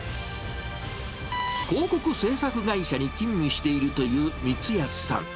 広告制作会社に勤務しているという光安さん。